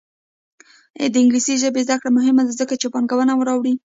د انګلیسي ژبې زده کړه مهمه ده ځکه چې پانګونه راوړي.